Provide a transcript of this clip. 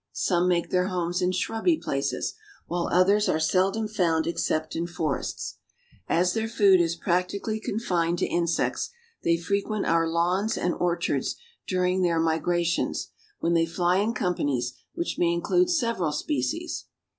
Some make their homes in shrubby places, while others are seldom found except in forests. As their food is practically confined to insects, they frequent our lawns and orchards during their migrations, when they fly in companies which may include several species.